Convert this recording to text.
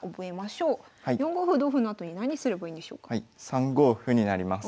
３五歩になります。